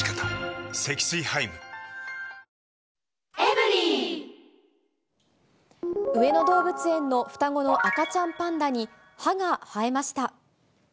メニューからいったん、上野動物園の双子の赤ちゃんパンダに、歯が生えました。